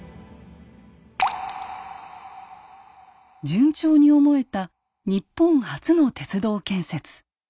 順調に思えた日本初の鉄道建設。